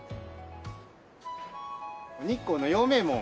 日光の陽明門を。